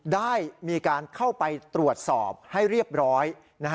ได้มีการเข้าไปตรวจสอบให้เรียบร้อย